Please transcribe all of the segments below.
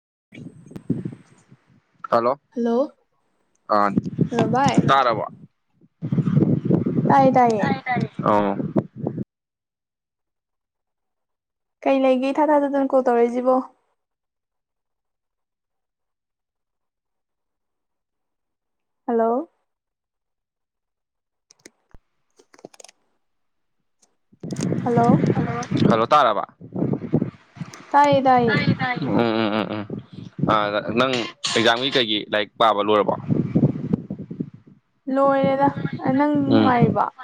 [unintelligible] hello hello ꯑ hello ꯚꯥꯏ ꯇꯥꯔꯕꯣ [unintelligible] ꯇꯥꯏꯌꯦ ꯇꯥꯏꯌꯦ ꯑꯧ ꯀꯩ ꯂꯩꯒꯦ ꯏ ꯊꯥ ꯊꯥꯖꯗꯅ ꯀꯣꯜ ꯇꯧꯔꯛꯏꯖꯤꯕꯣ ꯍꯂꯣ ꯍꯜꯂꯣ ꯍꯜꯂꯣ ꯇꯥꯔꯕ ꯇꯥꯏꯌꯦ ꯇꯥꯏꯌꯦ ꯎꯝ ꯎꯝ ꯎꯝ ꯎꯝ ꯑ ꯅꯪ ꯑꯦꯛꯖꯥꯝꯒꯤ ꯀꯩꯒꯤ ꯂꯥꯏꯔꯤꯛ ꯄꯥꯕ ꯂꯣꯏꯔꯕꯣ ꯂꯣꯏꯔꯦꯗ ꯑ ꯅꯪ ꯎꯝ ꯅꯨꯡꯉꯥꯏꯔꯤꯕꫭ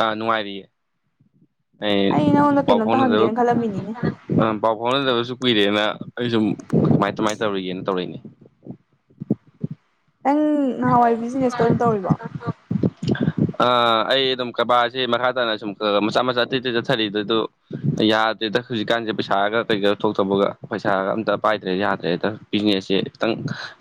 ꯑꯥ ꯅꯨꯡꯉꯥꯏꯔꯤꯌꯦ ꯑꯩ ꯅꯪꯉꯣꯟꯗ ꯄꯥꯎ ꯀꯩꯅꯣꯝꯇ ꯐꯥꯎꯅꯖꯕ ꯍꯪꯒꯦꯅ ꯈꯜꯂꯝꯃꯤꯅꯤꯅꯦ ꯎꯝ ꯄꯥꯎ ꯐꯥꯎꯅꯗꯕꯁꯨ ꯀꯨꯏꯔꯦꯅ ꯑꯩ ꯁꯨꯝ ꯀꯃꯥꯏ ꯀꯃꯥꯏ ꯇꯧꯔꯤꯒꯦꯅ ꯇꯧꯔꯛꯏꯅꯦ ꯅꯪ ꯅꯍꯥꯋꯥꯏ ꯕꯤꯖꯤꯅꯦꯁꯇꯣ ꯑꯗꯨꯝ ꯇꯧꯔꯤꯕꯣ ꯑ ꯑꯩ ꯑꯗꯨꯝ ꯀꯔꯕꯥꯔꯁꯤ ꯃꯈꯥ ꯇꯥꯅ ꯁꯨꯝ ꯃꯆꯥ ꯃꯆꯥ ꯇꯤꯠ ꯇꯤꯠ ꯆꯠꯊꯔꯤ ꯑꯗꯨꯗꯨ ꯌꯥꯗ꯭ꯔꯦꯗ ꯍꯧꯖꯤꯛꯀꯥꯟꯖꯦ ꯄꯩꯁꯥꯒ ꯀꯩꯒ ꯊꯣꯛꯇꯕꯒ ꯄꯩꯁꯥꯒ ꯑꯝꯇ ꯄꯥꯏꯗ꯭ꯔꯦ ꯌꯥꯗ꯭ꯔꯦꯗ ꯄꯤꯖꯤꯅꯦꯁ ꯁꯦ ꯈꯤꯇꯪ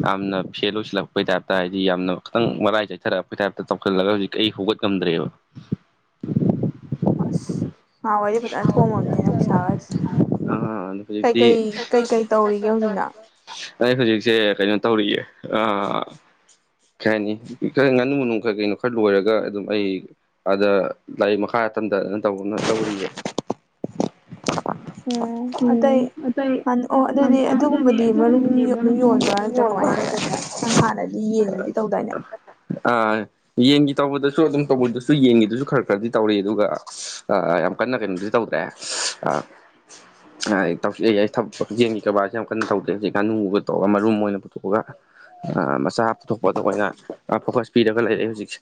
ꯌꯥꯝꯅ ꯐꯦꯜ ꯑꯣꯏꯁꯤꯜꯂꯛꯄꯩ ꯇꯥꯏꯞ ꯍꯥꯏꯗꯤ ꯌꯥꯝꯅ ꯈꯤꯇꯪ ꯃꯔꯥꯏ ꯆꯩꯊꯔꯛꯄꯩꯊꯥꯌ꯭ꯕꯞꯇ ꯇꯧꯁꯤꯜꯂꯒ ꯍꯧꯖꯤꯛ ꯑꯩ ꯍꯧꯒꯠꯉꯝꯝꯗ꯭ꯔꯦꯕ [unintelligible] ꯑꯁ ꯅꯍꯥꯋꯥꯏꯗꯤ ꯐꯖꯅ ꯊꯣꯡꯑꯝꯃꯕꯅꯤ ꯅꯪ ꯄꯩꯁꯥꯒ ꯑꯥ ꯑꯗꯨ ꯍꯧꯖꯤꯛꯇꯤ ꯀꯩꯀꯩ ꯀꯩꯀꯩ ꯇꯧꯔꯤꯒꯦ ꯍꯧꯖꯤꯛꯅ ꯑꯩ ꯍꯧꯖꯤꯛꯁꯦ ꯀꯩꯅꯣ ꯇꯧꯔꯤꯌꯦ ꯑꯥ ꯀꯩ ꯍꯥꯏꯅꯤ ꯈꯔ ꯉꯥꯅꯨ ꯃꯅꯨꯡ ꯈꯔ ꯀꯩꯅꯣ ꯈꯔ ꯂꯣꯏꯔꯒ ꯑꯗꯨꯝ ꯑꯩ ꯑꯥꯗ ꯂꯥꯏꯔꯤꯛ ꯃꯈꯥꯗ ꯐ ꯇꯧꯕꯅ ꯇꯧꯔꯤꯌꯦꯦ ꯎꯝ ꯑꯣ ꯑꯇꯩ ꯑꯇꯩꯅꯤ ꯑꯣ ꯑ ꯑꯗꯨꯗꯤ ꯑꯗꯨꯒꯨꯝꯕꯗꯤ ꯃꯔꯨꯝ ꯑꯕꯅꯦꯕ ꯅ ꯑꯗꯨꯝ ꯌꯣꯟꯕ꯭ꯔꯥ ꯅꯠꯇ꯭ꯔꯥ ꯀꯃꯥꯏꯅ ꯇꯧꯋꯦ ꯅꯪ ꯍꯥꯟꯅꯗꯤ ꯌꯦꯟꯒꯤꯗꯤ ꯇꯧꯗꯥꯏꯅꯦ ꯌꯦꯡꯒꯤ ꯇꯧꯕꯗꯁꯨ ꯑꯗꯨꯝ ꯇꯧꯕꯗꯁꯨ ꯌꯦꯡꯒꯤꯗꯨꯁꯨ ꯈꯔ ꯈꯔꯗꯤ ꯇꯧꯔ ꯑꯗꯨꯒ ꯌꯥꯝ ꯀꯟꯅ ꯀꯩꯅꯣꯗꯤ ꯇꯧꯗꯦ ꯑ ꯇꯧꯁꯤꯑꯏ ꯑꯩ ꯊ ꯌꯦꯦꯟꯒꯤ ꯀꯔꯕꯥꯔꯁꯦ ꯌꯥꯝ ꯀꯟꯅ ꯇꯧꯗꯦ ꯍꯧꯖꯤꯛ ꯉꯥꯅꯨꯒ ꯇꯧꯔꯒ ꯃꯔꯨꯝ ꯑꯣꯏꯅ ꯄꯨꯊꯣꯛꯑꯒ ꯃꯆꯥ ꯄꯨꯊꯣꯛꯄꯗ ꯑꯣꯏꯅ ꯐꯣꯀꯁ ꯄꯤꯔꯒ ꯂꯩꯔꯦ ꯍꯧꯖꯤꯛꯁꯦ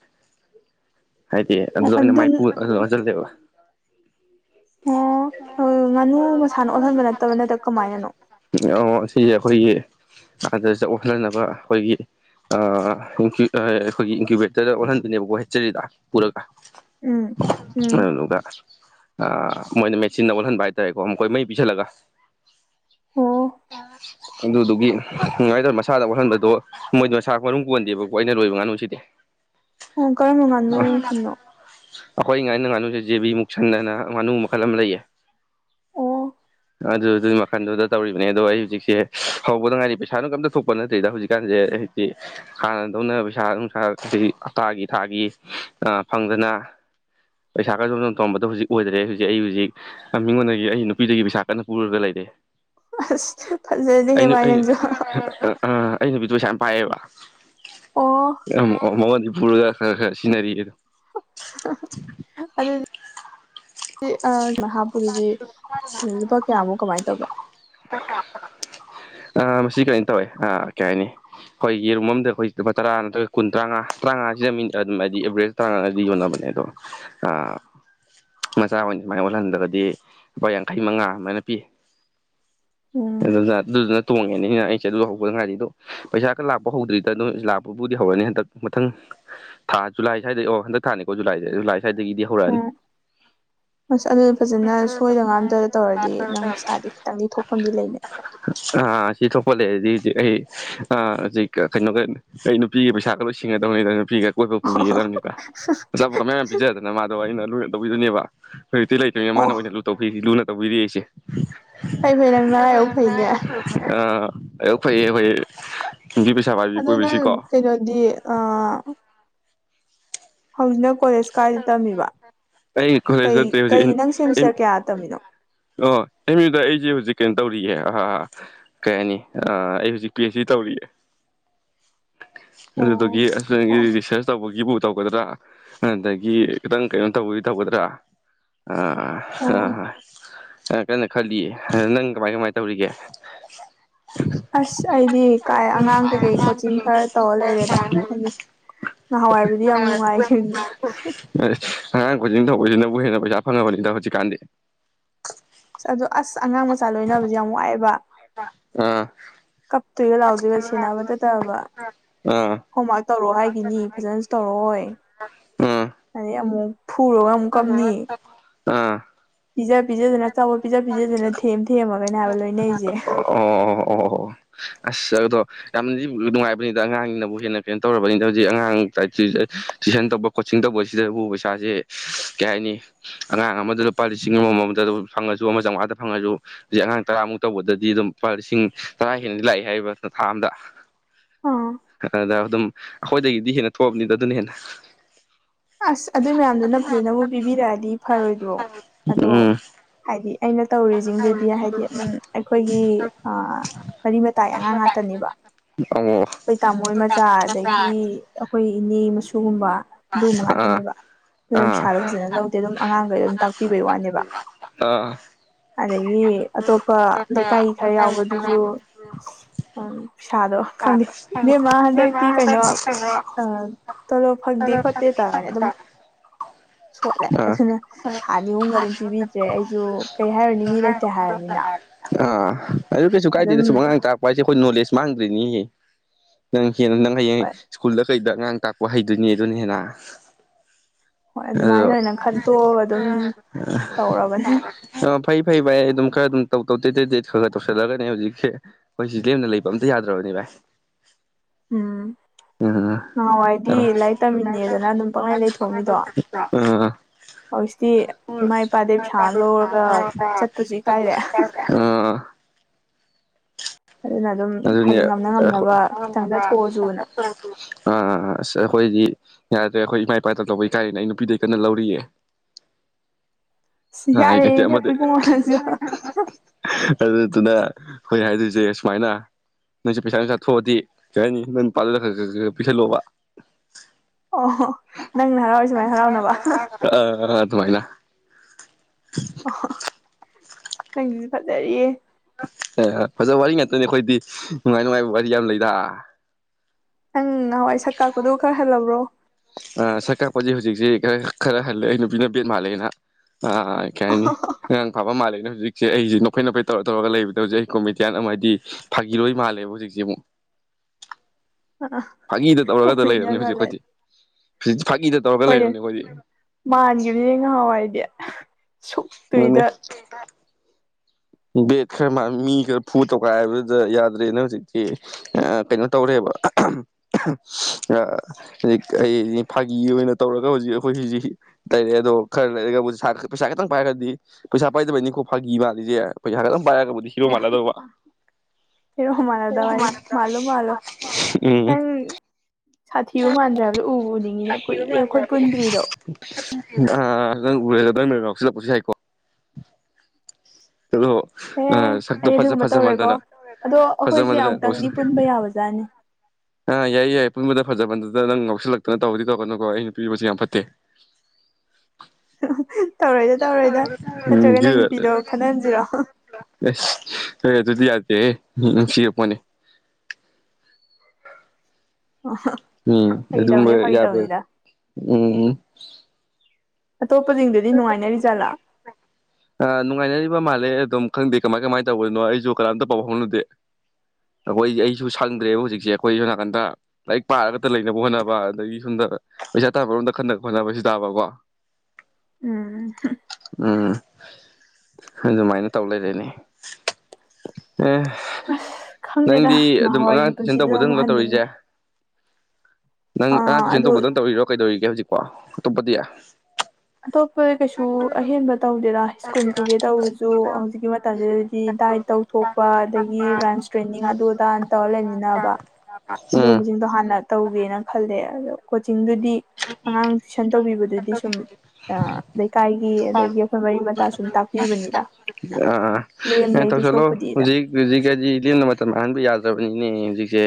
ꯍꯥꯏꯗꯤ ꯑꯣ ꯑꯗꯨꯗ ꯑꯣꯏꯅ ꯑꯗꯨ ꯃꯥꯏꯄꯨ ꯆꯗꯦꯕ ꯑꯣ ꯑ ꯉꯥꯅꯨ ꯃꯁꯥꯅ ꯑꯣꯜꯍꯟꯕ ꯅꯠꯇꯕ ꯅꯠꯇ ꯀꯃꯥꯏꯅꯅꯣ ꯑꯣ ꯁꯤꯁꯦ ꯑꯩꯈꯣꯏꯒꯤ ꯑꯗ ꯆꯥꯎꯅꯅꯕ ꯑꯩꯈꯣꯏꯒꯤ ꯑꯩꯈꯣꯏꯒꯤ ꯏꯟꯀꯌꯨꯕꯦꯇꯔꯗ ꯑꯣꯜꯍꯟꯗꯅꯦꯕꯀꯣ ꯍꯦꯠꯆꯔꯤꯗ ꯄꯨꯔ ꯎꯝ ꯎꯝ ꯃꯣꯏꯅ ꯃꯦꯆꯤꯟꯅ ꯑꯣꯜꯍꯟꯕ ꯍꯥꯏꯇꯥꯔꯦꯀꯣ ꯃꯈꯣꯏ ꯃꯩ ꯄꯤꯤꯁꯜꯂꯒ ꯑꯣꯝ ꯑꯗꯨꯗꯨꯒꯤ ꯉꯥꯏꯇꯧꯔꯦ ꯃꯁꯥꯗ ꯑꯣꯍꯟꯕꯗꯣ ꯃꯣꯏꯗꯨ ꯆꯥꯛ ꯃꯔ ꯀꯣꯟꯗꯦꯕꯀꯣ ꯑꯩꯅ ꯂꯣꯏꯕ ꯉꯥꯅꯨꯁꯤꯗꯤ ꯑꯣ ꯀꯔꯝꯕ ꯉꯥꯅꯣ ꯈꯟꯅꯣ ꯑꯩꯈꯣꯏ ꯉꯥꯏꯅ ꯉꯥꯅꯨꯁꯦ ꯖꯦꯕꯤ ꯃꯨꯛꯁꯟꯗꯅ ꯉꯥꯅꯨ ꯃꯈꯜ ꯑꯃ ꯂꯩꯌꯦ ꯑꯣ ꯑꯗꯨ ꯑꯗꯨꯒꯤ ꯃꯈꯟꯗꯨꯗ ꯇꯧꯔꯤꯕꯅꯦ ꯑꯗꯣ ꯑꯩ ꯍꯧꯖꯤꯛꯁꯦ ꯍꯧꯕꯗꯉꯥꯏꯗꯤ ꯄꯩꯁꯥꯗꯨꯣ ꯀꯝꯇ ꯊꯣꯛꯄ ꯅꯠꯇ꯭ꯔꯤꯗ ꯍꯧꯖꯤꯛꯀꯥꯟꯁꯦ ꯍꯥꯟꯅꯗꯧꯅ ꯄꯩꯁꯥ ꯅꯨꯡꯁꯥ ꯑꯩ ꯍꯞꯇꯥꯒꯤ ꯊꯥꯒꯤ ꯐꯪꯗꯅ ꯄꯩꯁꯥ ꯀꯔ ꯁꯣꯝ ꯁꯣꯝ ꯇꯝꯕꯗꯣ ꯍꯧꯖꯤꯛ ꯑꯣꯏꯗ꯭ꯔꯦ ꯍꯧꯖꯤꯛ ꯑꯩ ꯍꯧꯖꯤꯛ ꯃꯤꯉꯣꯟꯗꯒꯤ ꯑꯩ ꯅꯨꯄꯤꯗꯒꯤ ꯄꯩꯁꯥ ꯀꯟꯅ ꯄꯨꯔꯒ ꯂꯩꯔꯦ ꯑꯁ ꯐꯖꯗꯦꯍꯦ ꯑꯩꯅ ꯚꯥꯏ ꯅꯪꯁꯨ ꯑꯩ ꯑ ꯑꯩ ꯅꯨꯄꯤꯗꯨꯣ ꯄꯩꯁꯥ ꯌꯥꯝ ꯄꯥꯏꯌꯦꯕ ꯑꯣ ꯃꯃꯣꯟꯗꯤ ꯄꯨꯔꯒ ꯈꯔ ꯈꯔ ꯁꯤꯖꯤꯟꯅꯔꯤꯌꯦ ꯑꯗꯣ ꯑ ꯑ ꯑꯗꯨꯗꯤ ꯂꯨꯄꯥ ꯀꯌꯥꯃꯨꯛ ꯀꯃꯥꯏꯅ ꯇꯧꯒꯦ ꯑ ꯃꯁꯤ ꯀꯩꯅ ꯇꯧꯋꯦ ꯑꯥ ꯀꯩ ꯍꯥꯏꯅꯤ ꯑꯩꯈꯣꯏꯒꯤꯔꯨꯝ ꯑꯝꯗ ꯑꯩꯈꯣꯏ ꯂꯨꯄꯥ ꯇꯔꯥ ꯅꯠꯇ꯭ꯔꯒ ꯀꯨꯟ ꯇꯔꯥꯉꯥꯔꯥꯉꯥꯗ ꯃꯤ ꯑꯗꯨꯝ ꯍꯥꯏꯗꯤ ꯑꯦꯕꯔꯦꯖ ꯇꯔꯥꯉꯥꯗꯤ ꯌꯣꯟꯅꯕꯅꯤ ꯗꯣ ꯃꯆꯥꯍ ꯁꯨꯃꯥꯏꯅ ꯑꯣꯜꯍꯟꯗ꯭ꯔꯒꯗꯤ ꯂꯨꯄꯥ ꯌꯥꯡꯈꯩ ꯃꯉꯥ ꯑꯗꯨꯃꯥꯏꯅ ꯄꯤ ꯎꯝ ꯑꯗꯨꯅ ꯑꯗꯨꯗꯨꯅ ꯇꯣꯡꯉꯦꯅꯤꯅ ꯑꯩꯁꯦ ꯑꯗꯨ ꯍꯧꯕꯗ ꯉꯥꯏꯗꯤ ꯑꯗꯣ ꯄꯩꯁꯥ ꯈ ꯂꯥꯛꯄ ꯍꯧꯗ꯭ꯔꯤꯗ ꯑꯗꯨꯝ ꯂꯥꯛꯄꯕꯨꯗꯤ ꯍꯧꯔꯅꯤ ꯍꯟꯗꯛ ꯃꯊꯪ ꯊꯥ ꯖꯨꯂꯥꯏ ꯁ꯭ꯏꯗ ꯑꯣ ꯍꯟꯗꯛ ꯊꯥꯅꯤꯀꯣ ꯖꯨꯂꯥꯏꯗ ꯨꯂꯥꯏ ꯎꯝꯁ ꯑꯗꯨ ꯐꯖꯩ ꯅꯪ ꯁꯣꯏꯗ ꯉꯥꯝꯗꯅ ꯇꯧꯔꯗꯤ ꯅꯪ ꯄꯩꯁꯥꯗꯤ ꯈꯤꯇꯪꯗꯤ ꯊꯣꯛꯐꯝꯗꯤ ꯂꯩꯅꯦ ꯑꯥ ꯁꯤ ꯊꯣꯛꯄ ꯂꯩꯔꯗꯤ ꯍꯧꯖꯤꯛ ꯑꯩ ꯍꯧꯖꯤꯛ ꯀꯩꯅꯣꯒ ꯑꯩ ꯅꯨꯄꯤꯒꯤ ꯄꯩꯁꯥꯒ ꯂꯣꯏ ꯁꯤꯡꯒꯗꯧꯅꯤꯗ ꯒ ꯀꯣꯏꯕ ꯄꯨꯕꯤꯒꯗꯕꯅꯤꯗ ꯑꯆꯥꯄꯣꯄ ꯃꯌꯥꯝ ꯌꯥꯝꯌꯥꯝ ꯄꯤꯖꯗꯅ ꯃꯥꯗꯣ ꯑꯩꯅ ꯂꯣꯏꯅ ꯇꯧꯕꯤꯗꯨꯣꯏꯅꯦꯕ ꯍꯧꯖꯤꯛꯇꯤ ꯂꯩ ꯑꯣ ꯃꯥꯅ ꯑꯣꯏꯅ ꯂꯨ ꯇꯧꯕꯤꯔꯤꯁꯤ ꯂꯨꯅ ꯇꯧꯕꯤꯔꯤ ꯑꯩꯁꯦ ꯐꯩ ꯐꯩ ꯅꯪ ꯅꯔꯥꯏꯕꯛ ꯐꯩꯅꯦ ꯑ ꯐ ꯑꯗꯨ ꯅꯪ ꯀꯩꯅꯣꯗꯤ ꯑ ꯍꯧꯖꯤꯛꯅ ꯀꯣꯂꯦꯖ ꯀꯥꯏꯗ ꯇꯝꯃꯤꯕ ꯑꯩ ꯈ ꯀꯩ ꯀꯩ ꯅꯪ ꯁꯦꯃꯤꯁꯇꯔ ꯀꯌꯥ ꯇꯝꯃꯤꯅꯣ ꯑ ꯑꯃꯤꯗ ꯑꯩꯁꯦ ꯍꯧꯖꯤꯛ ꯀꯩꯅꯣ ꯇꯧꯔꯤꯌꯦꯦ ꯑꯥ ꯑꯍꯥ ꯀꯩ ꯍꯥꯏꯅꯤ ꯑ ꯑꯩ ꯍꯧꯖꯤꯛ ꯄꯤ ꯑꯩꯆ ꯇꯧꯔꯤꯑꯦ ꯑꯗꯨ ꯑꯣ ꯑꯣ ꯔꯤꯁꯔꯁ ꯇꯧꯕꯒꯤꯕꯨ ꯇꯧꯒꯗ꯭ꯔꯥ ꯑꯗꯒꯤ ꯈꯤꯇꯪ ꯀꯩꯅꯣ ꯇꯧꯕꯒꯤ ꯇꯧꯒꯗ꯭ꯔꯥ ꯑꯥ ꯑꯣ ꯑꯥ ꯍꯣꯏ ꯑꯦ ꯀꯟꯅ ꯈꯜꯂꯤꯌꯦ ꯅꯪ ꯀꯃꯥꯏ ꯀꯃꯥꯏ ꯇꯧꯔꯤꯒꯦ ꯑꯁ ꯑꯩꯗꯤ ꯀꯥꯏ ꯑꯉꯥꯡ ꯀꯩꯀꯩ ꯀꯣꯆꯤꯡ ꯈꯔ ꯇꯧꯔ ꯂꯩꯔꯦꯗ ꯍꯥꯏꯗꯤ ꯅꯍꯥꯟꯋꯥꯏꯕꯨꯗꯤ ꯌꯥꯝ ꯅꯨꯡꯉꯥꯏꯈꯤꯅꯤ ꯑꯁ ꯑꯉꯥꯡ ꯈꯨꯗꯤꯤꯡ ꯊꯧꯕꯁꯤꯅꯕꯨ ꯍꯦꯟꯅ ꯄꯩꯁꯥ ꯐꯪꯉꯕꯅꯤꯗ ꯍꯧꯖꯤꯛꯀꯥꯟꯗꯤ ꯑꯁ ꯑꯗꯣ ꯑꯁ ꯑꯉꯥꯡ ꯃꯆꯥ ꯂꯣꯏꯅꯕꯁꯦ ꯌꯥꯝ ꯋꯥꯑꯦꯕ ꯑꯥ ꯀꯞꯇꯨꯏ ꯂꯥꯎꯗꯕ ꯁꯤꯅꯥꯕ ꯇ ꯑꯥ ꯍꯣꯝꯋꯥꯔꯛ ꯇꯧꯔꯑꯣ ꯍꯥꯏꯈꯤꯅꯤ ꯐꯖꯅꯁꯨ ꯇꯧꯔꯣ ꯍꯣꯏ ꯑꯥ ꯑꯗꯩ ꯑꯃꯨꯛ ꯐꯨꯔꯒ ꯑꯃꯨꯛ ꯀꯞꯅꯤ ꯑꯥ ꯄꯤꯖ ꯄꯤꯖꯗꯅ ꯑꯆꯥꯄꯣꯠ ꯄꯤꯖ ꯄꯤꯖꯗꯅ ꯊꯦꯝ ꯊꯦꯝꯃꯒꯅꯦ ꯍꯥꯏꯕ ꯂꯣꯏꯅꯩꯁꯦ ꯑꯣꯝ ꯑꯣ ꯑꯣ ꯑꯁ ꯌꯥꯒꯗꯣ ꯌꯥꯝꯅꯗꯤ ꯅꯨꯡꯉꯥꯏꯕꯅꯤꯗ ꯑꯉꯥꯡꯁꯤꯡꯅꯕꯨ ꯍꯦꯟꯅ ꯀꯩꯅꯣ ꯇꯧꯔꯕꯅꯤꯅ ꯍꯧꯖꯤꯛ ꯑꯉꯥꯡ ꯇꯨꯏꯁꯟ ꯇꯧꯕꯣ ꯁꯤꯡ ꯇꯧꯕꯁꯤꯗ ꯎ ꯄꯩꯁꯥꯁꯦ ꯀꯩ ꯍꯥꯏꯅꯤ ꯑꯉꯥꯡ ꯑꯃꯗ ꯂꯨꯄꯥ ꯂꯤꯁꯤꯡ ꯑꯃꯃꯝꯗ ꯑꯗꯨꯝ ꯐꯪꯉꯁꯨ ꯑꯃ ꯆꯥꯝꯃꯉꯥꯗ ꯐꯪꯉꯁꯨ ꯑꯉꯥꯡ ꯇꯔꯥꯃꯨꯛ ꯇꯧꯕꯗꯗꯤ ꯑꯗꯨꯝ ꯂꯨꯄꯥ ꯂꯤꯁꯤꯡ ꯇꯔꯥ ꯍꯦꯟꯅ ꯂꯥꯛꯏꯦ ꯍꯥꯏꯔꯤꯕ ꯊꯥ ꯑꯝꯗ ꯑꯥ ꯑꯗ ꯑꯗꯨꯝ ꯑꯩꯈꯣꯏꯗꯒꯤꯗꯤ ꯍꯦꯟꯅ ꯊꯣꯛꯑꯕꯅꯤꯗ ꯑꯗꯨꯅ ꯍꯦꯟꯅ ꯑꯁ ꯑꯗꯨꯏ ꯃꯌꯥꯝꯗꯨꯅ ꯐꯖꯅꯕꯨ ꯄꯤꯕꯤꯔꯛꯑꯗꯤ ꯐꯔꯣꯏꯗ꯭ꯔꯣ ꯑꯗꯣ ꯎꯝ ꯍꯥꯏꯗꯤ ꯑꯩꯅ ꯇꯧꯔꯤꯁꯤꯡꯗꯨꯗꯤ ꯍꯥꯏꯗꯤ ꯎꯝ ꯑꯩꯈꯣꯏꯒꯤ ꯃꯔꯤ ꯃꯇꯥꯏ ꯑꯉꯥꯡ ꯉꯥꯛꯇꯅꯦꯕ ꯑꯣ ꯑꯩꯈꯣꯏ ꯇꯥꯃꯣ ꯃꯆꯥ ꯑꯗꯒꯤ ꯑꯩꯈꯣꯏ ꯏꯅꯦ ꯃꯁꯨꯨꯒꯨꯝꯕ ꯑꯥ ꯃꯉꯇꯅꯦꯕ ꯑꯗꯨ ꯑꯥ ꯄꯩꯁꯥꯗꯣ ꯐꯖꯅ ꯂꯧꯗꯦ ꯑꯗꯨꯝ ꯑꯉꯥꯡꯈꯩ ꯑꯗꯨꯝ ꯇꯥꯛꯄꯤꯕꯩ ꯋꯥꯅꯦꯕ ꯑꯥ ꯑꯗꯒꯤ ꯑꯇꯣꯞꯄ ꯂꯩꯀꯥꯏ ꯈꯔ ꯌꯥꯎꯕꯗꯨꯁꯨ ꯎꯝ ꯄꯩꯁꯥꯗꯣ ꯈꯪꯗꯦ ꯅꯦꯝꯃ ꯍꯟꯗꯛꯇꯤ ꯀꯩꯅꯣ ꯆꯂꯣ ꯐꯪꯗꯦ ꯈꯣꯠꯇꯦ ꯇꯥꯔꯦ ꯑꯗꯨꯝ ꯑ ꯁꯣꯠꯂꯦ ꯑꯗꯨꯅ ꯊꯥ ꯑꯅꯤ ꯑꯍꯨꯝꯒ ꯑꯗꯨꯝ ꯄꯤꯕꯤꯗ꯭ꯔꯦ ꯑꯩꯁꯨ ꯀꯩ ꯍꯥꯏꯔꯅꯤ ꯃꯤ ꯂꯩꯇꯦ ꯍꯥꯏꯔꯕꯅꯤꯅ ꯑꯥ ꯑꯗꯨ ꯀꯩꯁꯨ ꯑꯗꯨꯝ ꯀꯥꯏꯗꯦꯗ ꯁꯨꯝ ꯑꯉꯥꯡ ꯇꯥꯛꯛꯄ ꯍꯥꯏꯁꯦ ꯑꯩꯈꯣꯏ ꯅꯣꯂꯦꯖ ꯃꯥꯡꯗ꯭ꯔꯤꯅꯤ ꯅꯪ ꯍꯦꯟꯅ ꯅꯪ ꯍꯌꯦꯡ ꯍꯣꯏ ꯁ꯭ꯀꯨꯜꯗ ꯀꯩꯗ ꯑꯉꯥꯡ ꯇꯥꯛꯄ ꯍꯩꯗꯣꯏꯅꯦ ꯑꯗꯨꯅ ꯍꯦꯟꯅ ꯍꯣꯏ ꯑꯗꯨꯃꯥꯏꯅ ꯑꯣꯏꯅ ꯈꯟꯇꯣꯛꯑꯒ ꯑꯗꯨꯝ ꯇꯧꯔꯕꯅꯦ ꯑꯣ ꯑ ꯐꯩ ꯐꯩ ꯚꯥꯏ ꯑꯩ ꯑꯗꯨꯝ ꯈꯔ ꯑꯗꯨꯝ ꯇꯧ ꯇꯧ ꯇꯦ ꯇ ꯇꯦ ꯈꯔ ꯈꯔ ꯇꯧꯁꯜꯂꯒꯅꯦ ꯍꯧꯖꯤꯛꯁꯦꯈꯣꯏ ꯁꯤꯦ ꯂꯦꯝꯅ ꯂꯩꯕ ꯑꯝꯇ ꯌꯥꯗ꯭ꯔꯕꯅꯤ ꯚꯥꯏ [inaudible] ꯎꯝ ꯑꯣ ꯍꯥꯏꯗꯤ ꯑꯥ ꯂꯥꯏꯔꯤꯛ ꯇꯝꯃꯤꯅꯦꯗꯅ ꯑꯗꯨꯝ ꯄꯛꯅꯩ ꯂꯩꯊꯣꯑꯃꯤꯗꯣ ꯏꯄꯥꯗꯩ ꯄꯩꯁꯥ ꯑꯃ ꯂꯧꯔꯒ [inaudible] ꯆꯠꯄꯁꯨ ꯏꯀꯥꯏꯔꯦ [inaudible] ꯎꯝ ꯑꯗꯨꯅꯤ ꯆꯠꯊꯣꯛꯑꯁꯨꯅ ꯑꯥ ꯑꯩꯈꯣꯏꯗꯤ ꯌꯥꯗ꯭ꯔꯦ ꯑꯩꯈꯣꯏ ꯏꯃꯥ ꯏꯄꯥꯇ ꯇꯧꯕꯩ ꯀꯥꯏꯅꯦ ꯑꯩ ꯅꯨꯄꯤꯗ ꯀꯟꯅ ꯂꯧꯔꯤꯌꯦ ꯁꯤ ꯑꯦ ꯌꯥꯔꯦ ꯃ ꯏꯕꯨꯡꯉꯣ ꯅꯪꯁꯨ ꯑꯗꯨ ꯊꯅ ꯍꯣꯏ ꯍꯥꯏꯗꯣꯏꯁꯦ ꯁꯨꯃꯥꯏꯅ ꯅꯪꯁꯦ ꯄꯩꯁꯥ ꯄꯩꯁꯥ ꯊꯣꯛꯑꯗꯤ ꯀꯩ ꯍꯥꯏꯅꯤ ꯅꯪ ꯄꯥꯜ ꯄꯤꯁꯜꯂꯣꯕ ꯑꯣ ꯅꯪꯅ ꯍꯔꯥꯎꯔꯤ ꯁꯨꯃꯥꯏꯅ ꯍꯔꯥꯎꯅꯕ ꯑ ꯑꯗꯨꯃꯥꯏ ꯂ ꯑꯣ ꯅꯪꯗꯤꯁꯨ ꯐꯖꯔꯤꯌꯦ ꯐꯖꯕ ꯋꯥꯔꯤ ꯉꯥꯛꯇꯅꯤ ꯑꯩꯈꯣꯏꯗꯤ ꯅꯨꯡꯉꯥꯏ ꯅꯨꯡꯉꯥꯏꯕ ꯋꯥꯔꯤ ꯌꯥꯝ ꯂꯩꯗ ꯅꯪ ꯅꯍꯥꯟꯋꯥꯏ ꯁꯛ ꯀꯥꯛꯄꯗꯨ ꯈꯔ ꯍꯜꯂꯕ꯭ꯔꯣ ꯍꯧꯖꯤꯛꯁꯤ ꯈꯔ ꯈꯔ ꯍꯜꯂꯦ ꯑꯩ ꯅꯨꯄꯤꯅ ꯕꯦꯟ ꯃꯥꯜꯂꯦ ꯑꯩꯅ ꯑꯥ ꯀꯩ ꯍꯥꯏꯅꯤ ꯑꯉꯥꯡ ꯐꯥꯕ ꯃꯥꯜꯂꯦꯅꯦ ꯍꯧꯖꯤꯛꯁꯦ ꯑꯩꯁꯤ ꯅꯐꯩ ꯅꯐꯩ ꯇꯧꯔ ꯇꯧꯔꯒ ꯂꯩꯕꯗ ꯍꯧꯖꯤꯛ ꯑꯩ ꯀꯣꯃꯦꯗꯤꯌꯥꯟ ꯑꯃ ꯍꯥꯏꯗꯤ ꯐꯥꯒꯤꯔꯣꯏ ꯃꯥꯜꯂꯦꯕ ꯍꯧꯖꯤꯛꯁꯦ ꯑꯃꯨꯛ [inaudible] ꯐꯥꯒꯤꯤꯗ ꯇꯧꯔꯒꯗ ꯀꯣꯃꯦꯗꯤꯌꯥꯟ ꯂꯩꯔꯕꯅꯤ ꯍꯧꯖꯤꯛ ꯃꯥꯜꯂꯦ ꯑꯩꯗꯤꯤ ꯍꯣꯏꯅꯦ ꯃꯥꯟꯈꯤꯕꯗꯤ ꯉꯍꯥꯎ ꯍꯥꯏꯗꯤ ꯃꯅꯤ ꯕꯦꯠ ꯈꯔ ꯃꯥ ꯃꯤ ꯈꯔ ꯐꯨ ꯇꯧꯈꯥꯏ ꯍꯥꯏꯕꯗꯨꯗ ꯌꯥꯗ꯭ꯔꯦꯅ ꯍꯧꯖꯤꯛꯇꯤ ꯀꯩꯅꯣ ꯇꯧꯔꯦꯕ [inaudible] ꯍꯧꯖꯤꯛ ꯑꯩ ꯐꯥꯒꯤ ꯑꯣꯏꯅ ꯇꯧꯔꯒ ꯍꯧꯖꯤꯛ ꯑꯩꯈꯣꯏ ꯍꯧꯖꯤꯛ ꯇ ꯂꯩꯔꯛꯑꯦ ꯑꯗꯣ ꯑꯣ ꯈꯔ ꯂꯩꯔꯒꯕꯨ ꯄꯩꯁꯥ ꯈꯤꯇꯪ ꯄꯔꯒꯗꯤꯩꯁ ꯄꯥꯏꯗꯕꯩꯅꯤꯀꯣ ꯐꯥꯒꯤ ꯃꯥꯂꯤꯁꯦ ꯄꯩꯁꯥ ꯈꯛꯇꯪ ꯒꯕꯨꯗꯤ ꯑ ꯍꯤꯔꯣ ꯃꯥꯂꯗꯧꯕ ꯍꯦꯔꯣ ꯃꯥꯟꯅꯗꯕ ꯍꯥꯏꯁꯦ ꯃꯥꯜꯂꯣ ꯃꯥꯜꯂꯣ ꯎꯝ ꯅꯪ ꯁꯥꯊꯤꯕ ꯃꯥꯟꯗ꯭ꯔꯦ ꯍꯥꯏꯕꯗꯣ ꯎꯕꯨ ꯎꯅꯤꯡꯉꯤꯅꯦ ꯀꯨꯏꯔꯦ ꯑꯩꯈꯣꯏ ꯄꯨꯟꯗ꯭ꯔꯤꯗꯣ ꯑ ꯁꯤꯂ ꯄꯨꯁꯤ ꯍꯥꯏꯀꯣ ꯍꯂꯣ ꯑꯦ ꯁꯛꯇꯣ ꯑꯩ ꯐꯖ ꯑꯗꯨꯒꯨꯝꯕ ꯐꯖ ꯇꯧꯔꯦꯀꯣ ꯃꯥꯟꯗꯅ ꯑꯗꯣ ꯑꯩꯈꯣꯏꯁꯦ ꯑꯃꯨꯛꯇꯪꯗꯤ ꯈꯖꯅꯧꯁ ꯄꯨꯟꯕ ꯌꯥꯕꯖꯥꯠꯅꯤ ꯑ ꯌꯥꯏ ꯌꯥꯏ ꯄꯨ ꯐꯖꯕꯟꯗꯨꯗ ꯅꯪ ꯉꯎꯁꯤꯜꯂꯛꯇꯅ ꯇꯧꯕꯗꯤ ꯇꯧꯒꯅꯨꯀꯣ ꯑꯩꯅ ꯄꯤꯕꯁꯨ ꯌꯥꯝ ꯐꯠꯇꯦ ꯇꯧꯔꯣꯏꯗ ꯇꯧꯔꯣꯏꯗ ꯝ ꯅꯠꯇ꯭ꯔꯒ ꯅꯪ ꯑꯗꯨ ꯅꯨꯄꯤꯗꯣ ꯈꯟꯍꯟꯁꯤꯔꯣ ꯑꯦꯁ ꯍꯣꯏ ꯑꯗꯨꯗꯤ ꯌꯥꯗꯦꯍꯦ ꯃꯤ ꯅꯨꯡꯁꯤꯔꯄꯣꯅꯦ ꯎꯝ ꯐꯥꯒꯤ ꯑꯗꯨꯒꯨꯝꯕ ꯇꯧꯅꯤꯗ ꯐꯥꯒꯤ ꯌꯥ ꯇꯧꯅꯤꯗ ꯎꯝ ꯑꯇꯣꯞꯄꯁꯤꯡꯗꯨꯗꯤ ꯅꯨꯡꯉꯥꯏꯅꯔꯤ ꯖꯥꯠꯂꯥ ꯑ ꯅꯨꯡꯉꯥꯏꯅꯔꯤꯕ ꯃꯥꯜꯂꯦ ꯑꯗꯨꯝ ꯈꯪꯗꯦ ꯀꯃꯥꯏ ꯀꯃꯥꯏ ꯇꯧꯕꯅꯣ ꯑꯩꯁꯨ ꯀꯅꯥꯝꯇ ꯄꯥꯎ ꯐꯥꯎꯅꯗꯦ ꯑꯩꯈꯣꯏ ꯑꯩꯁꯨ ꯁꯪꯗ꯭ꯔꯦꯕ ꯍꯧꯖꯤꯛꯁꯦ ꯑꯩꯈꯣꯏ ꯁꯣ ꯅꯥꯀꯟꯗ ꯂꯥꯏꯔꯤꯛ ꯄꯥꯔꯒ ꯂꯩꯅꯕ ꯍꯣꯠꯅꯕ ꯑꯗꯒꯤ ꯁꯣꯝꯗ ꯄꯩꯁꯥ ꯇꯥꯕꯔꯣꯝꯗ ꯈꯟꯅ ꯈꯣꯠꯅꯕꯁꯨ ꯇꯥꯕꯀꯣ ꯎꯝ ꯎꯝ ꯑꯗꯨꯃꯥꯏꯅ ꯇꯧ ꯂꯩꯔꯦꯅꯦ ꯑꯦ ꯈꯪꯗꯦꯗ ꯅꯪꯗꯤ ꯑꯗꯨꯝ ꯑꯉꯥꯡ ꯉꯍꯥꯟꯋꯥꯏꯒꯤ ꯇꯨꯏꯁꯟ ꯄꯨꯟꯁꯤꯗꯨꯗ ꯑꯃꯨꯛ ꯇꯧꯕꯗꯧꯒ ꯇꯧꯔꯤꯁꯦ ꯍꯟꯅꯤꯡꯉꯦ ꯅꯪ ꯑꯉꯥꯡ ꯑꯥ ꯇꯨꯏꯁꯟ ꯑꯗꯣ ꯇꯧꯕꯗꯝ ꯇꯧꯔꯤꯔꯣ ꯀꯩꯗꯧꯔꯤꯒꯦ ꯍꯧꯖꯤꯛꯀꯣ ꯑꯇꯣꯞꯄꯗꯤ ꯑꯇꯣꯞꯄ ꯀꯩꯁꯨ ꯑꯍꯦꯟꯕ ꯇꯧꯗꯦꯔꯥ ꯁ꯭ꯀꯨꯜ ꯄꯨꯒꯦ ꯇꯧꯔꯁꯨ ꯍꯧꯖꯤꯛꯀꯤ ꯃꯇꯝꯁꯤꯗꯗꯤ ꯗꯥ ꯇꯧꯊꯣꯛꯄ ꯑꯗꯒꯤ ꯔꯟꯁ ꯇ꯭ꯔꯦꯟꯅꯤꯡ ꯑꯗꯨ ꯑꯗꯥ ꯇꯧꯔ ꯂꯩꯃꯤꯅꯕ ꯑꯗꯨꯒꯨꯝꯕꯁꯤꯡꯗꯣ ꯍꯥꯟꯅ ꯇꯧꯒꯦꯅ ꯈꯜꯂꯦ ꯑꯗꯣ ꯀꯣꯆꯤꯡꯗꯨꯗꯤ ꯑꯉꯥꯡ ꯇꯨꯏꯁꯟ ꯇꯧꯕꯤꯕꯗꯨꯗꯤ ꯁꯨꯝ ꯂꯩꯀꯥꯏꯒꯤ ꯑꯗꯒꯤ ꯑꯩꯈꯣꯏ ꯃꯔꯤ ꯃꯇꯥ ꯁꯨꯝ ꯇꯥꯛꯄꯤꯕꯅꯤꯗ ꯑꯥ ꯑꯦꯇ ꯂꯦꯝꯅꯩꯗꯨꯏ ꯆꯂꯣ ꯁꯔꯨꯛꯄꯨꯗꯤꯗ ꯍꯧꯖꯤꯛ ꯍꯧꯖꯤꯛ ꯍꯥꯏꯗꯤ ꯂꯦꯝꯅ ꯃꯇꯝ ꯃꯍꯟꯥꯟꯕ ꯌꯥꯗ꯭ꯔꯕꯅꯤꯅꯦ ꯍꯧꯖꯤꯛꯁꯦ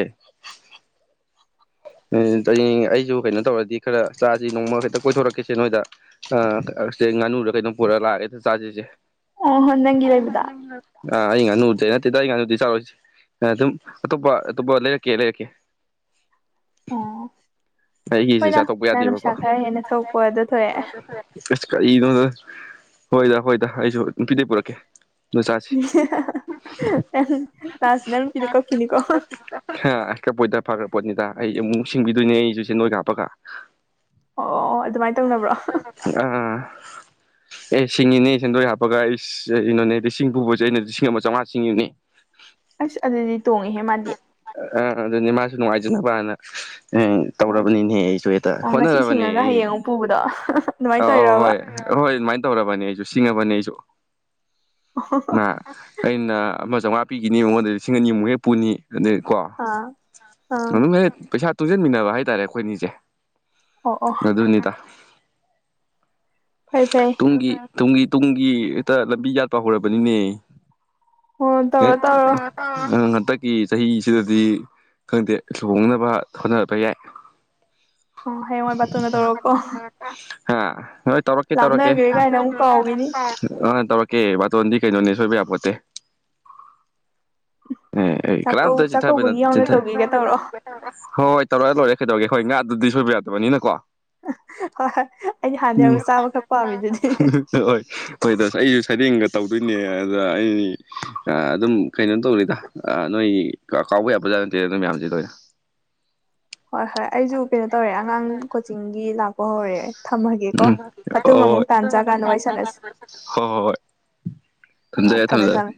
[unintelligible] ꯑꯩꯁꯨ ꯀꯩꯅꯣ ꯇꯧꯔꯗꯤ ꯈꯔ ꯆꯥꯁꯤ ꯅꯣꯡꯃ ꯍꯦꯛꯇ ꯀꯣꯏꯊꯣꯔꯛꯈꯤꯁꯦ ꯅꯣꯏꯗ ꯉꯥꯅꯨꯔꯒ ꯀꯩꯅꯣꯝ ꯄꯨꯔꯛ ꯂꯑꯒꯦꯗ ꯆꯥꯖꯁꯦ ꯑꯣ ꯍꯣ ꯅꯪꯒꯤ ꯑꯣꯏꯕꯗ ꯑ ꯑꯩ ꯉꯥꯅꯨꯗꯩ ꯅꯠꯇꯦꯗ ꯑꯩ ꯉꯥꯅꯨꯗꯤ ꯆꯥꯔꯏꯁꯦ ꯑꯗꯨꯝ ꯑꯇꯣꯞꯄ ꯑꯇꯣꯞꯄ ꯂꯩꯔꯛꯀꯦ ꯂꯩꯔꯛꯀꯦ [unintelligible] [unintelligible] ꯑꯣ ꯑꯩꯒꯤꯁꯦ ꯍꯣꯏꯗ ꯆꯥꯠꯇꯣꯛꯄ ꯅꯪꯅ ꯌꯥꯗꯦꯕꯀꯣ ꯄꯩꯁꯥ ꯈꯔ ꯍꯦꯟꯅ ꯊꯣꯛꯄꯗꯣ ꯊꯣꯛꯑꯦ ꯀꯔꯤꯒꯤꯅꯣꯗ ꯍꯣꯏꯗ ꯍꯣꯏꯗ ꯑꯩꯁꯨ ꯅꯨꯡꯄꯤꯗꯩ ꯄꯨꯔꯛꯀꯦ [unintelligible] ꯅꯪ ꯂꯥꯁ ꯅꯪ ꯅꯨꯄꯤꯗꯣ ꯀꯞꯈꯤꯅꯤꯀꯣ ꯍ ꯄꯣꯏ ꯐꯥ ꯄꯅꯤꯇꯥ ꯑꯩ ꯑꯃꯨꯛ ꯅꯨꯡ ꯁꯤꯡꯕꯤꯗꯣꯏꯅꯦ ꯑꯩꯁꯨ ꯁꯦ ꯅꯣꯏ ꯀ ꯍꯥꯞꯄꯒ ꯑꯣ ꯑꯗꯨꯃꯥꯏꯅ ꯇꯧꯅꯕ꯭ꯔꯣ ꯑꯥ ꯑꯦ ꯁꯤꯡꯉꯤꯅꯦ ꯁꯦꯟꯗꯣꯏ ꯍꯥꯞꯄꯒ ꯑꯩ ꯀꯩꯅꯣꯅꯦ ꯂꯤꯁꯤꯡ ꯄꯨꯕꯁꯦ ꯑꯩꯅ ꯂꯤꯁꯤꯡ ꯑꯃ ꯆꯥꯝꯃꯉꯥ ꯁꯤꯡꯉꯤꯅꯦ ꯍꯦꯃꯥꯗꯤ ꯑꯗꯨꯅꯦ ꯃꯥꯁꯨ ꯅꯨꯡꯉꯥꯏꯖꯅꯕꯅ ꯎꯝ ꯑꯣ ꯇꯧꯔꯕꯅꯤꯅꯦꯍ ꯑꯩꯁꯨ ꯍꯦꯛꯇ ꯉꯁꯤ ꯍꯣꯠꯅꯔꯕꯅꯦ ꯁꯤꯡꯉꯒ ꯑꯩ ꯍꯌꯦꯡ ꯑꯃꯨꯛ ꯄꯨꯕꯗꯣ ꯑꯗꯨꯃꯥꯏꯅ ꯑꯧ ꯑꯧ ꯇꯧꯔꯕ ꯍꯣꯏ ꯍꯣꯏ ꯑꯗꯨꯃꯥꯏꯅ ꯇꯧꯔꯕꯅꯦ ꯑꯩꯁꯨ ꯁꯤꯡꯉꯕꯅꯤ ꯑꯩꯁꯨ ꯑꯩꯅ ꯃꯆꯥ ꯉꯥꯛꯄꯤꯈꯤꯅꯤ ꯃꯉꯣꯟꯗ ꯂꯤꯁꯤꯡ ꯑꯅꯤꯃꯨꯛ ꯍꯦ ꯄꯨꯨꯅꯤ ꯑꯩ ꯀꯣ ꯑꯥ ꯑꯥ ꯑꯗꯨꯝ ꯍ ꯄꯩꯁꯥ ꯇꯨꯡꯁꯤꯟꯃꯤꯟꯅꯕ ꯍꯥꯏꯇꯥꯔꯦ ꯑꯩꯈꯣꯏꯅꯤꯁꯦ ꯑꯣ ꯑꯣ ꯅꯗꯨꯅꯤꯗ ꯐꯔꯦ ꯐꯔ ꯇꯨꯡꯒꯤ ꯇꯨꯡꯒꯤ ꯇꯨꯡꯒꯤ ꯍꯦꯛꯇ ꯂꯝꯕꯤ ꯌꯥꯠꯄ ꯍꯧꯔꯕꯅꯤꯅꯦ ꯑꯣ ꯇꯧꯔꯣ ꯇꯧꯔꯣ ꯎ ꯍꯟꯗꯛꯀꯤ ꯆꯍꯤꯁꯤꯗꯗꯤ ꯈꯪꯗꯦ ꯂꯨꯍꯣꯡꯅꯕ ꯍꯣꯠꯅꯔꯛꯄ ꯌꯥꯏ ꯑꯣ ꯍꯦ ꯃꯣꯏ ꯇꯨ ꯅꯠꯇꯧꯔꯣꯀꯣ ꯍꯥ ꯍꯣꯏ ꯇꯧꯔꯛꯀꯦ ꯇꯧꯔꯛꯀꯦ ꯀꯥꯏꯅ ꯑꯃꯨꯛ ꯀꯥꯎꯈꯤꯅꯤ ꯇꯧꯔꯛꯀ ꯀ ꯋꯥ ꯇꯂꯣꯟꯟꯗꯤ ꯀꯩꯅꯗꯅꯤ ꯁꯣꯏꯕꯤꯠꯇꯦ ꯑꯦ ꯑꯩ ꯆꯥꯛꯀꯧ ꯀꯅꯥꯝꯇ ꯆꯤꯊꯕꯅ ꯆꯥꯛꯀꯧꯕꯒꯤ ꯌꯥꯎꯅ ꯆꯊ ꯇꯧꯒꯦꯒ ꯇꯧꯔꯣ ꯍꯣꯏ ꯍꯣꯏ ꯇꯧꯔꯛꯦ ꯂꯣꯏꯔꯦ ꯀꯩꯗꯧꯔꯒꯦ ꯍꯣꯏ ꯉꯥ ꯑꯗꯨꯗꯤ ꯁꯣꯏꯕ ꯌꯥꯗꯕꯅꯤꯅꯀꯣ ꯍꯣꯏ ꯍꯣꯏ ꯑꯩꯗꯤ ꯍꯥꯟꯅꯔ ꯆꯥꯕꯈꯛ ꯍꯣꯏ ꯍꯣꯏꯗ ꯑꯩꯁꯨ ꯁ ꯆꯤꯡꯒ ꯇꯧꯗꯣꯏꯅꯦ ꯑꯗꯨꯗ ꯑꯩ ꯑꯗꯨꯝ ꯀꯩꯅꯣ ꯇꯧꯔꯤꯗ ꯅꯣꯏ ꯍꯣꯏ ꯖꯥꯠꯇ ꯑꯗꯨꯝ ꯃꯌꯥꯝꯁꯤꯗꯣꯏ ꯍꯣꯏ ꯍꯣꯏ ꯑꯩꯁꯨ ꯀꯩꯅꯣ ꯇꯧꯔꯦ ꯑꯉꯥꯡ ꯀꯣꯆꯤꯡꯒꯤ ꯂꯥꯛꯄ ꯍꯧꯔꯦ ꯊꯝꯃꯒꯦꯀꯣ ꯎꯝ ꯃꯇꯨꯡ ꯑꯃꯨꯛ ꯇꯥꯟ ꯆꯥꯀꯥꯟꯗ ꯋꯥꯔꯤ ꯍ ꯁꯥꯟꯅꯁꯤ ꯍ ꯍꯣꯏ ꯑꯥ ꯊꯝꯖꯔꯦ ꯊꯝꯃꯦ ꯊꯝꯖꯔꯦ ꯊꯝꯃꯦ